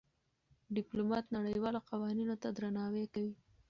ډيپلومات نړېوالو قوانينو ته درناوی کوي.